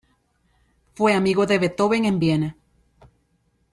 Fue amigo de Beethoven en Viena.